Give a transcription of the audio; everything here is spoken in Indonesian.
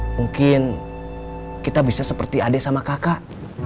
mungkin kita bisa seperti adik sama kakak